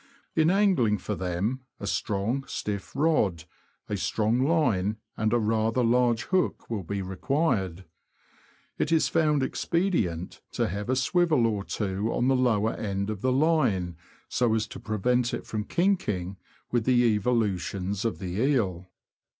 In angling for them, a strong, stiff rod, a strong line, and a rather large hook, will be required. It is found expedient to have a swivel or two on the lower end of the line, so as to prevent it from " kinking " with the evolutions of the eel.